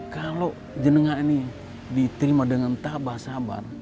kalau jenengah ini diterima dengan tabah sabar